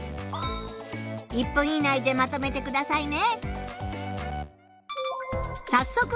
１分以内でまとめてくださいね。